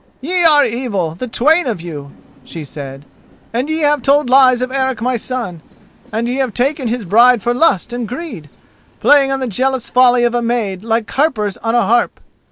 "Ye are evil, the twain of you," she said, "and ye have told lies of Eric, my son; and ye have taken his bride for lust and greed, playing on the jealous folly of a maid like harpers on a harp.